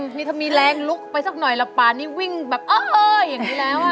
นี่ถ้ามีแรงลุกไปสักหน่อยแล้วป่านี้วิ่งแบบเอออย่างนี้แล้ว